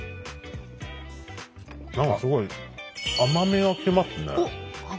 何かすごい甘みが来ますね。